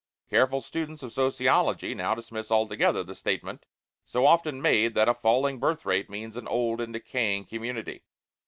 Careful students of sociology now dismiss altogether the statement so often made that a falling birth rate means "an old and decaying community."